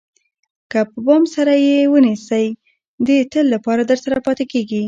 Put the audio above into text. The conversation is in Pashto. که په پام سره یې ونیسئ د تل لپاره درسره پاتې کېږي.